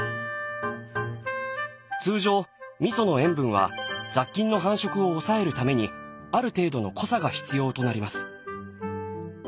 通常味噌の塩分は雑菌の繁殖を抑えるためにある程度の濃さが必要となります。